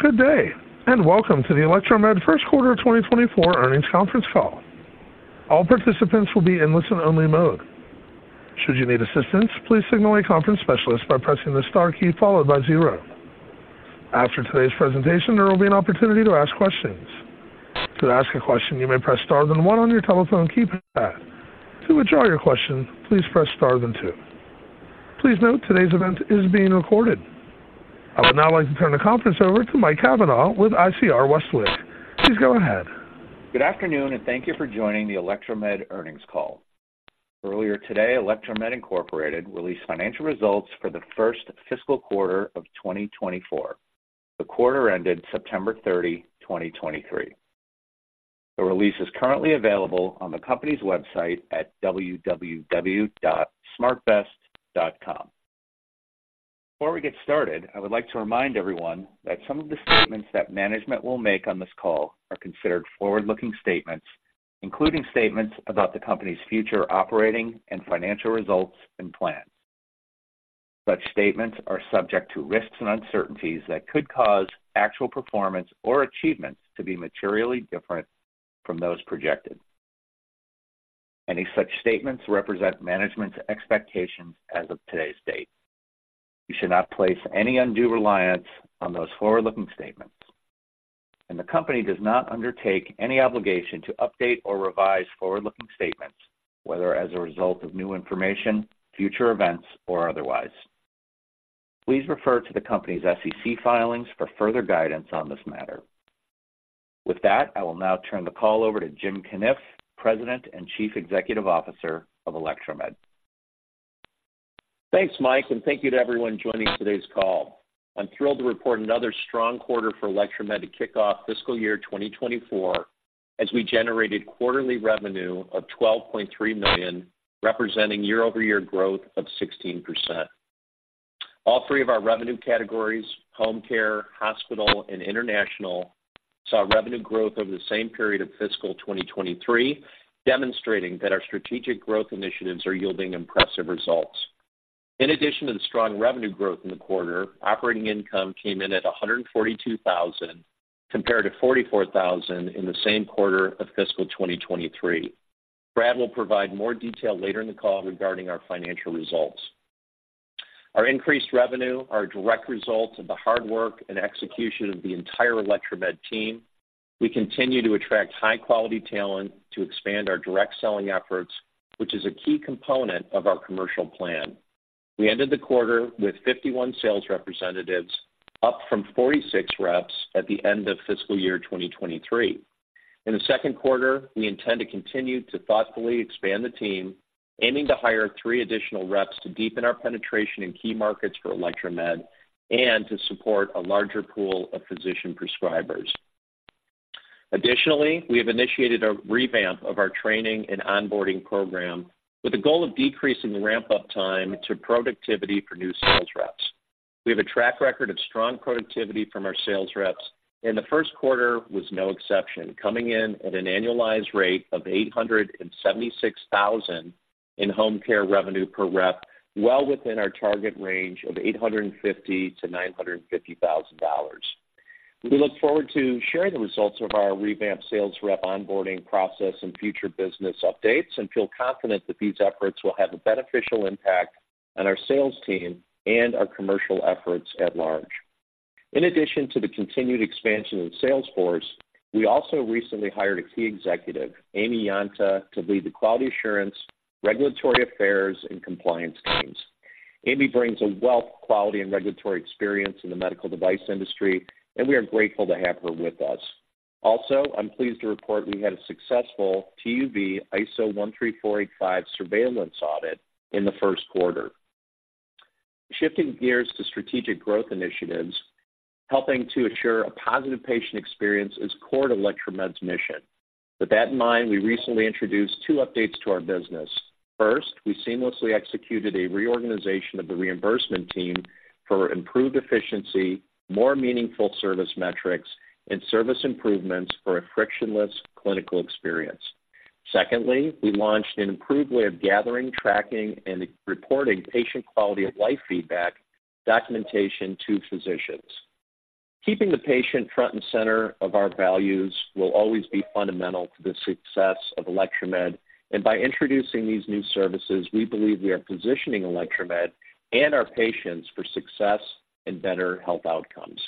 Good day, and welcome to the Electromed first quarter 2024 earnings conference call. All participants will be in listen-only mode. Should you need assistance, please signal a conference specialist by pressing the star key followed by zero. After today's presentation, there will be an opportunity to ask questions. To ask a question, you may press star then one on your telephone keypad. To withdraw your question, please press star then two. Please note, today's event is being recorded. I would now like to turn the conference over to Mike Cavanaugh with ICR Westwicke. Please go ahead. Good afternoon, and thank you for joining the Electromed earnings call. Earlier today, Electromed Incorporated released financial results for the first fiscal quarter of 2024. The quarter ended September 30, 2023. The release is currently available on the company's website at www.smartvest.com. Before we get started, I would like to remind everyone that some of the statements that management will make on this call are considered forward-looking statements, including statements about the company's future operating and financial results and plans. Such statements are subject to risks and uncertainties that could cause actual performance or achievements to be materially different from those projected. Any such statements represent management's expectations as of today's date. You should not place any undue reliance on those forward-looking statements, and the company does not undertake any obligation to update or revise forward-looking statements, whether as a result of new information, future events, or otherwise. Please refer to the company's SEC filings for further guidance on this matter. With that, I will now turn the call over to Jim Cunniff, President and Chief Executive Officer of Electromed. Thanks, Mike, and thank you to everyone joining today's call. I'm thrilled to report another strong quarter for Electromed to kick off fiscal year 2024, as we generated quarterly revenue of $12.3 million, representing year-over-year growth of 16%. All three of our revenue categories, home care, hospital, and international, saw revenue growth over the same period of fiscal 2023, demonstrating that our strategic growth initiatives are yielding impressive results. In addition to the strong revenue growth in the quarter, operating income came in at $142,000, compared to $44,000 in the same quarter of fiscal 2023. Brad will provide more detail later in the call regarding our financial results. Our increased revenue are a direct result of the hard work and execution of the entire Electromed team. We continue to attract high-quality talent to expand our direct selling efforts, which is a key component of our commercial plan. We ended the quarter with 51 sales representatives, up from 46 reps at the end of fiscal year 2023. In the second quarter, we intend to continue to thoughtfully expand the team, aiming to hire three additional reps to deepen our penetration in key markets for Electromed and to support a larger pool of physician prescribers. Additionally, we have initiated a revamp of our training and onboarding program with the goal of decreasing the ramp-up time to productivity for new sales reps. We have a track record of strong productivity from our sales reps, and the first quarter was no exception, coming in at an annualized rate of $876,000 in home care revenue per rep, well within our target range of $850,000-$950,000. We look forward to sharing the results of our revamped sales rep onboarding process and future business updates and feel confident that these efforts will have a beneficial impact on our sales team and our commercial efforts at large. In addition to the continued expansion of the salesforce, we also recently hired a key executive, Amy Yanta, to lead the quality assurance, regulatory affairs, and compliance teams. Amy brings a wealth of quality and regulatory experience in the medical device industry, and we are grateful to have her with us. Also, I'm pleased to report we had a successful TÜV ISO 13485 surveillance audit in the first quarter. Shifting gears to strategic growth initiatives, helping to ensure a positive patient experience is core to Electromed's mission. With that in mind, we recently introduced two updates to our business. First, we seamlessly executed a reorganization of the reimbursement team for improved efficiency, more meaningful service metrics, and service improvements for a frictionless clinical experience. Secondly, we launched an improved way of gathering, tracking, and reporting patient quality of life feedback documentation to physicians. Keeping the patient front and center of our values will always be fundamental to the success of Electromed, and by introducing these new services, we believe we are positioning Electromed and our patients for success and better health outcomes.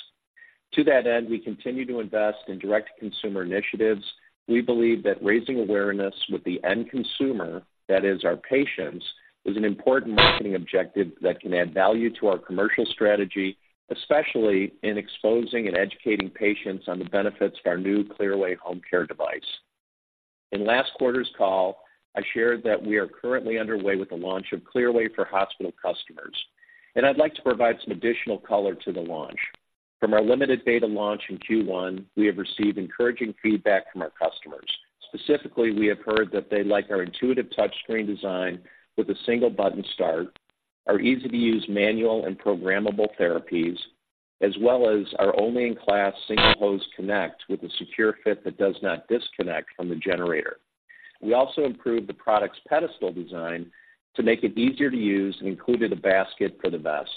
To that end, we continue to invest in direct consumer initiatives. We believe that raising awareness with the end consumer, that is our patients, is an important marketing objective that can add value to our commercial strategy, especially in exposing and educating patients on the benefits of our new Clearway home care device. In last quarter's call, I shared that we are currently underway with the launch of Clearway for hospital customers, and I'd like to provide some additional color to the launch. From our limited beta launch in Q1, we have received encouraging feedback from our customers. Specifically, we have heard that they like our intuitive touchscreen design with a single button start, our easy-to-use manual and programmable therapies, as well as our only-in-class single-hose connect with a secure fit that does not disconnect from the generator. We also improved the product's pedestal design to make it easier to use and included a basket for the vest.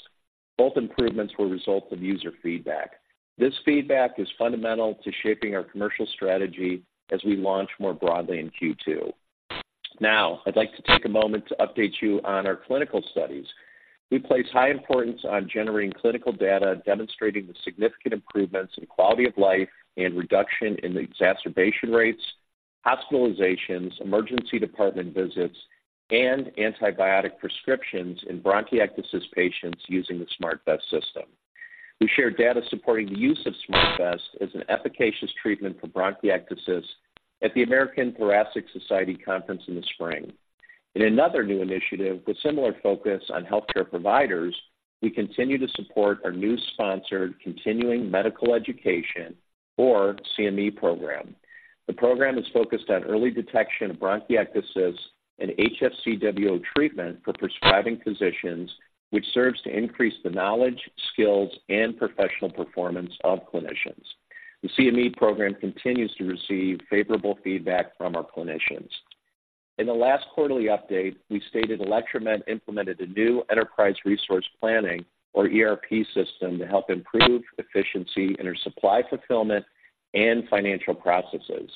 Both improvements were a result of user feedback. This feedback is fundamental to shaping our commercial strategy as we launch more broadly in Q2. Now, I'd like to take a moment to update you on our clinical studies. We place high importance on generating clinical data, demonstrating the significant improvements in quality of life and reduction in the exacerbation rates, hospitalizations, emergency department visits, and antibiotic prescriptions in bronchiectasis patients using the SmartVest system. We shared data supporting the use of SmartVest as an efficacious treatment for bronchiectasis at the American Thoracic Society Conference in the spring. In another new initiative, with similar focus on healthcare providers, we continue to support our new sponsored Continuing Medical Education, or CME program. The program is focused on early detection of bronchiectasis and HFCWO treatment for prescribing physicians, which serves to increase the knowledge, skills, and professional performance of clinicians. The CME program continues to receive favorable feedback from our clinicians. In the last quarterly update, we stated Electromed implemented a new enterprise resource planning, or ERP, system to help improve efficiency in our supply, fulfillment, and financial processes.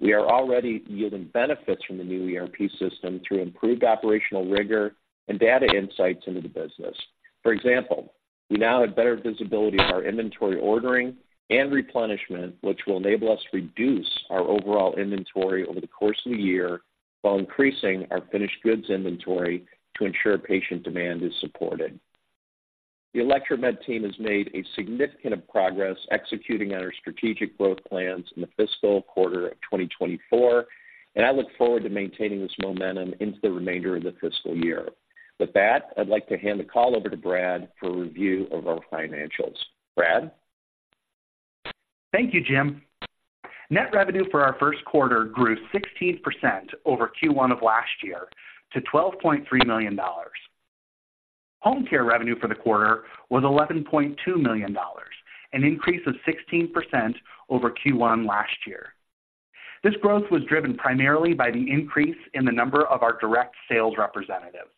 We are already yielding benefits from the new ERP system through improved operational rigor and data insights into the business. For example, we now have better visibility of our inventory ordering and replenishment, which will enable us to reduce our overall inventory over the course of the year, while increasing our finished goods inventory to ensure patient demand is supported. The Electromed team has made a significant progress executing on our strategic growth plans in the fiscal quarter of 2024, and I look forward to maintaining this momentum into the remainder of the fiscal year. With that, I'd like to hand the call over to Brad for a review of our financials. Brad? Thank you, Jim. Net revenue for our first quarter grew 16% over Q1 of last year to $12.3 million. Home care revenue for the quarter was $11.2 million, an increase of 16% over Q1 last year. This growth was driven primarily by the increase in the number of our direct sales representatives.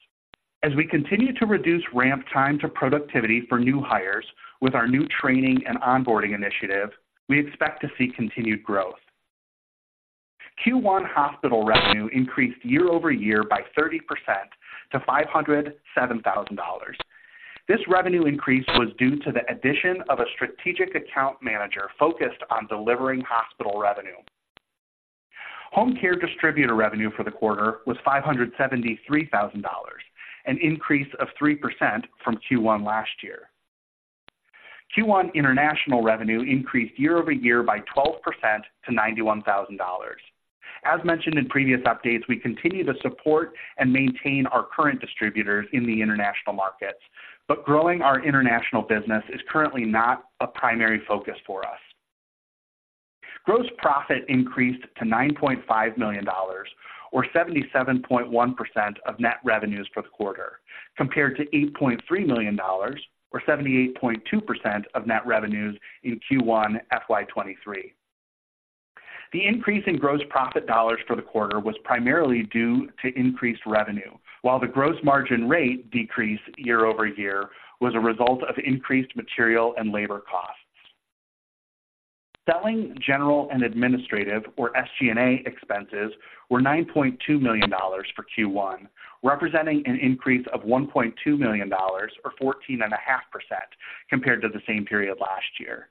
As we continue to reduce ramp time to productivity for new hires with our new training and onboarding initiative, we expect to see continued growth. Q1 hospital revenue increased year-over-year by 30% to $507,000. This revenue increase was due to the addition of a strategic account manager focused on delivering hospital revenue. Home care distributor revenue for the quarter was $573,000, an increase of 3% from Q1 last year. Q1 international revenue increased year-over-year by 12% to $91,000. As mentioned in previous updates, we continue to support and maintain our current distributors in the international markets, but growing our international business is currently not a primary focus for us. Gross profit increased to $9.5 million, or 77.1% of net revenues for the quarter, compared to $8.3 million, or 78.2% of net revenues in Q1 FY 2023. The increase in gross profit dollars for the quarter was primarily due to increased revenue, while the gross margin rate decrease year-over-year was a result of increased material and labor costs. Selling, general, and administrative, or SG&A expenses, were $9.2 million for Q1, representing an increase of $1.2 million, or 14.5% compared to the same period last year.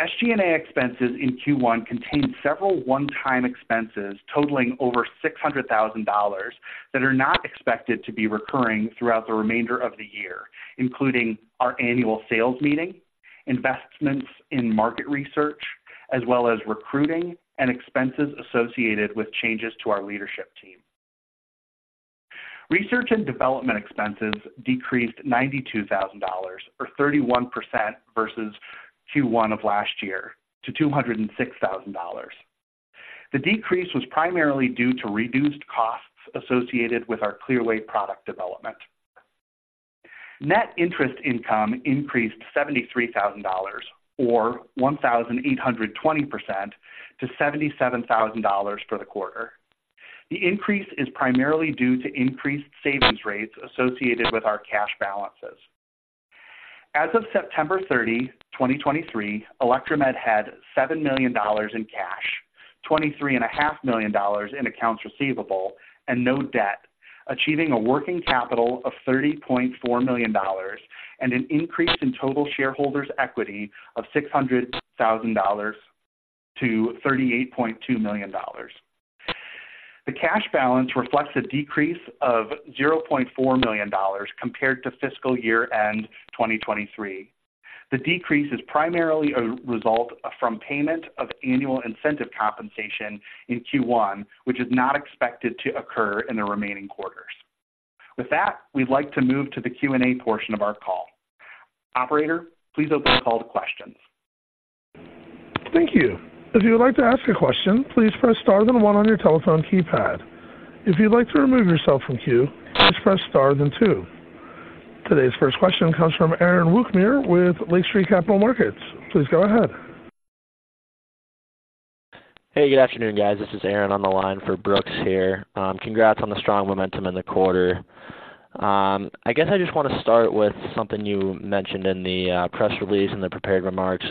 SG&A expenses in Q1 contained several one-time expenses totaling over $600,000 that are not expected to be recurring throughout the remainder of the year, including our annual sales meeting, investments in market research, as well as recruiting and expenses associated with changes to our leadership team. Research and development expenses decreased $92,000, or 31%, versus Q1 of last year to $206,000. The decrease was primarily due to reduced costs associated with our Clearway product development. Net interest income increased $73,000, or 1,820%, to $77,000 for the quarter. The increase is primarily due to increased savings rates associated with our cash balances. As of September 30, 2023, Electromed had $7 million in cash, $23.5 million in accounts receivable, and no debt, achieving a working capital of $30.4 million and an increase in total shareholders' equity of $600,000 to $38.2 million. The cash balance reflects a decrease of $0.4 million compared to fiscal year-end 2023. The decrease is primarily a result from payment of annual incentive compensation in Q1, which is not expected to occur in the remaining quarters. With that, we'd like to move to the Q&A portion of our call. Operator, please open the call to questions. Thank you. If you would like to ask a question, please press star then one on your telephone keypad. If you'd like to remove yourself from queue, just press star then two. Today's first question comes from Aaron Wukmir with Lake Street Capital Markets. Please go ahead. Hey, good afternoon, guys. This is Aaron on the line for Brooks here. Congrats on the strong momentum in the quarter. I guess I just wanna start with something you mentioned in the press release, in the prepared remarks,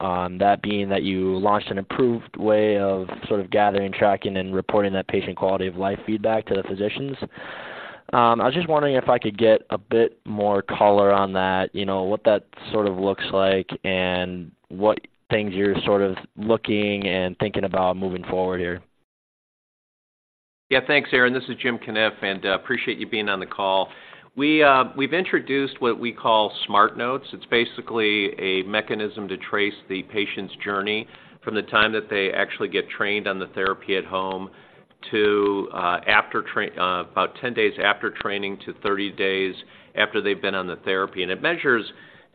that being that you launched an improved way of sort of gathering, tracking, and reporting that patient quality of life feedback to the physicians. I was just wondering if I could get a bit more color on that, you know, what that sort of looks like and what things you're sort of looking and thinking about moving forward here. Yeah. Thanks, Aaron. This is Jim Cunniff, and appreciate you being on the call. We, we've introduced what we call SmartNotes. It's basically a mechanism to trace the patient's journey from the time that they actually get trained on the therapy at home to after training about 10 days after training to 30 days after they've been on the therapy. And it measures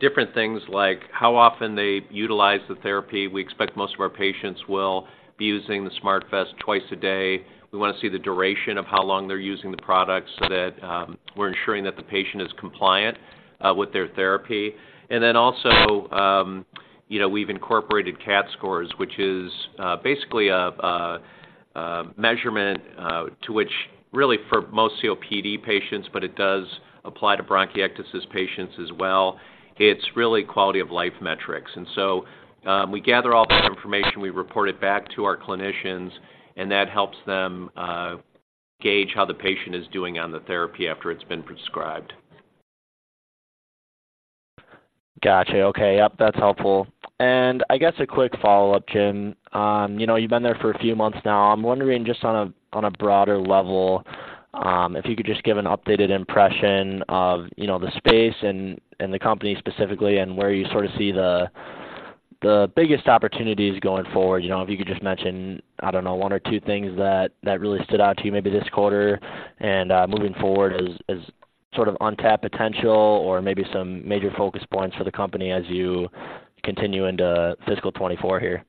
different things, like how often they utilize the therapy. We expect most of our patients will be using the SmartVest twice a day. We wanna see the duration of how long they're using the product so that we're ensuring that the patient is compliant with their therapy. And then also, you know, we've incorporated CAT scores, which is basically a measurement to which really for most COPD patients, but it does apply to bronchiectasis patients as well. It's really quality-of-life metrics. And so, we gather all that information, we report it back to our clinicians, and that helps them gauge how the patient is doing on the therapy after it's been prescribed. Gotcha. Okay. Yep, that's helpful. I guess a quick follow-up, Jim. You know, you've been there for a few months now. I'm wondering, just on a broader level, if you could just give an updated impression of, you know, the space and the company specifically, and where you sort of see the biggest opportunities going forward. You know, if you could just mention, I don't know, one or two things that really stood out to you, maybe this quarter and moving forward as sort of untapped potential or maybe some major focus points for the company as you continue into fiscal 2024 here.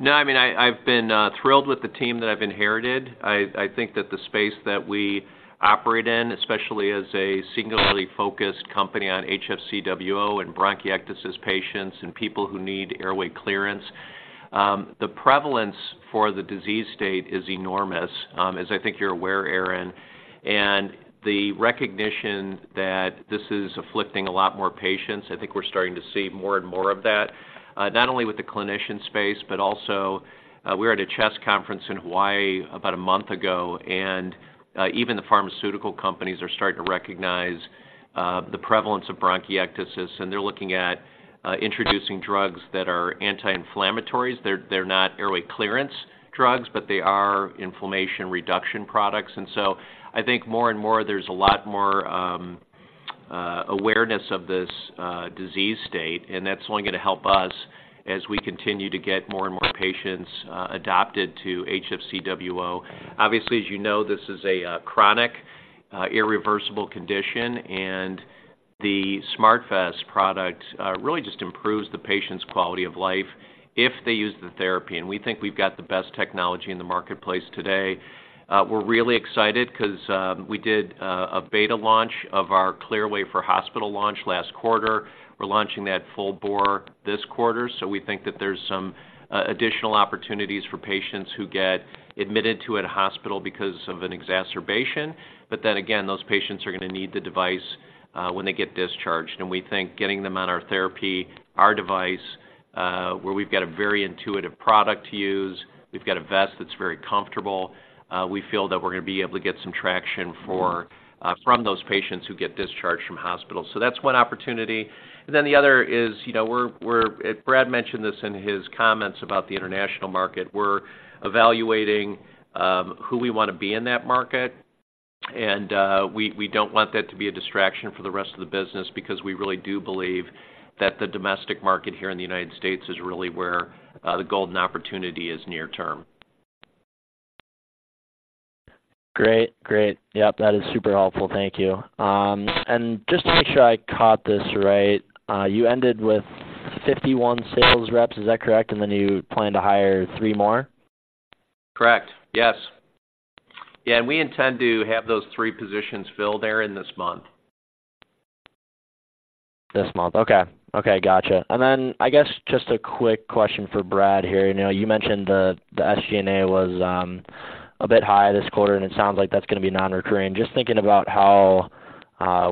No, I mean, I've been thrilled with the team that I've inherited. I think that the space that we operate in, especially as a singularly focused company on HFCWO and bronchiectasis patients and people who need airway clearance, the prevalence for the disease state is enormous, as I think you're aware, Aaron. And the recognition that this is afflicting a lot more patients, I think we're starting to see more and more of that, not only with the clinician space but also, we were at a CHEST conference in Hawaii about a month ago, and even the pharmaceutical companies are starting to recognize, the prevalence of bronchiectasis, and they're looking at introducing drugs that are anti-inflammatories. They're not airway clearance drugs, but they are inflammation reduction products. And so I think more and more, there's a lot more awareness of this disease state, and that's only gonna help us as we continue to get more and more patients adopted to HFCWO. Obviously, as you know, this is a chronic, irreversible condition, and the SmartVest product really just improves the patient's quality of life if they use the therapy, and we think we've got the best technology in the marketplace today. We're really excited 'cause we did a beta launch of our Clearway for hospital launch last quarter. We're launching that full bore this quarter. So we think that there's some additional opportunities for patients who get admitted to a hospital because of an exacerbation. But then again, those patients are gonna need the device when they get discharged. And we think getting them on our therapy, our device, where we've got a very intuitive product to use, we've got a vest that's very comfortable, we feel that we're gonna be able to get some traction for, from those patients who get discharged from hospitals. So that's one opportunity. And then the other is, you know, we're Brad mentioned this in his comments about the international market. We're evaluating, who we wanna be in that market, and, we don't want that to be a distraction for the rest of the business because we really do believe that the domestic market here in the United States is really where, the golden opportunity is near term. Great. Great. Yep, that is super helpful. Thank you. And just to make sure I caught this right, you ended with 51 sales reps. Is that correct? And then you plan to hire three more? Correct. Yes. Yeah, and we intend to have those three positions filled, Aaron, this month. This month, okay. Okay, gotcha. And then I guess just a quick question for Brad here. You know, you mentioned the SG&A was a bit high this quarter, and it sounds like that's gonna be non-recurring. Just thinking about how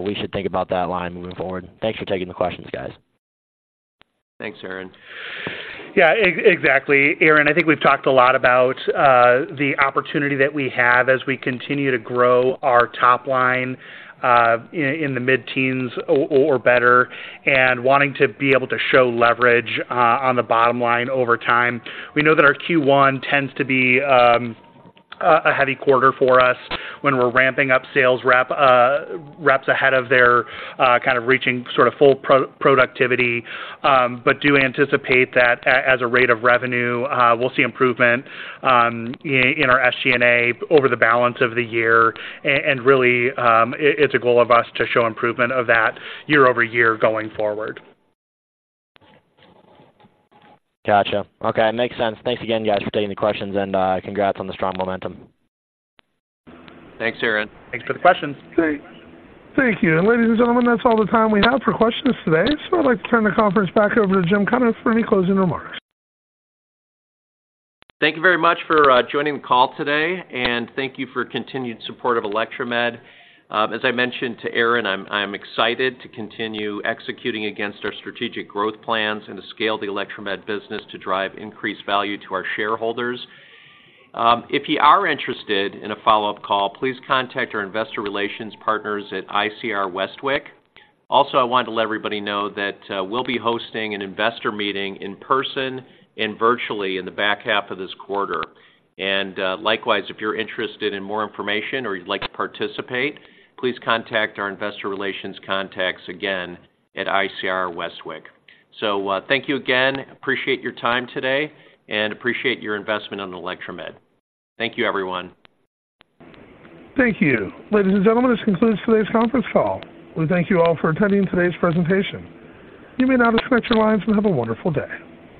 we should think about that line moving forward. Thanks for taking the questions, guys. Thanks, Aaron. Yeah, exactly, Aaron. I think we've talked a lot about the opportunity that we have as we continue to grow our top line in the mid-teens or better, and wanting to be able to show leverage on the bottom line over time. We know that our Q1 tends to be a heavy quarter for us when we're ramping up sales rep reps ahead of their kind of reaching sort of full productivity. But do anticipate that as a rate of revenue, we'll see improvement in our SG&A over the balance of the year. Really, it's a goal of us to show improvement of that year-over-year going forward. Gotcha. Okay, it makes sense. Thanks again, guys, for taking the questions, and congrats on the strong momentum. Thanks, Aaron. Thanks for the questions. Great. Thank you. Ladies and gentlemen, that's all the time we have for questions today. So I'd like to turn the conference back over to Jim Cunniff for any closing remarks. Thank you very much for joining the call today, and thank you for continued support of Electromed. As I mentioned to Aaron, I'm excited to continue executing against our strategic growth plans and to scale the Electromed business to drive increased value to our shareholders. If you are interested in a follow-up call, please contact our investor relations partners at ICR Westwicke. Also, I wanted to let everybody know that we'll be hosting an investor meeting in person and virtually in the back half of this quarter. Likewise, if you're interested in more information or you'd like to participate, please contact our investor relations contacts, again, at ICR Westwicke. Thank you again. Appreciate your time today, and appreciate your investment in Electromed. Thank you, everyone. Thank you. Ladies and gentlemen, this concludes today's conference call. We thank you all for attending today's presentation. You may now disconnect your lines, and have a wonderful day.